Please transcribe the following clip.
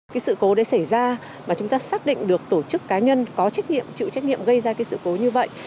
cái sự cố đấy xảy ra mà chúng ta xác định được tổ chức cá nhân có trách nhiệm chịu trách nhiệm gây ra cái sự cố như vậy